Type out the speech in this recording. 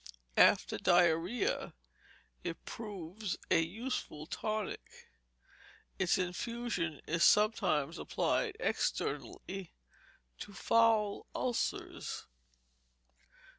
After diarrhoea, it proves a useful tonic. Its infusion is sometimes applied externally to foul ulcers.